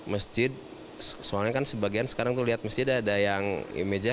masjid soalnya kan sebagian sekarang tuh lihat masjid ada yang image ya